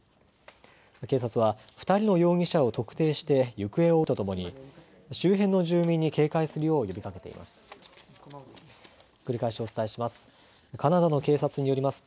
警察は２人の容疑者を特定して行方を追うとともに周辺の住民に警戒するよう呼びかけています。